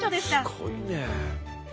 すごいね。